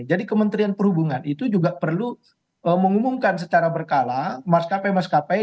jadi kementerian perhubungan itu juga perlu mengumumkan secara berkala mas kpi mas kpi